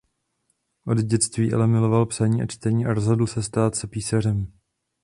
Od dětství ale miloval psaní a čtení a rozhodl se stát se písařem.